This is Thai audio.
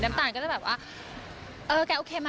ตาลก็จะแบบว่าเออแกโอเคไหม